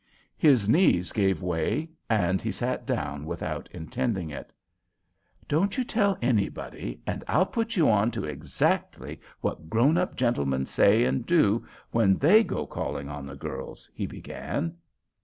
His knees gave way and he sat down without intending it. "Don't you tell anybody and I'll put you on to exactly what grown up gentlemen say and do when they go calling on the girls," he began.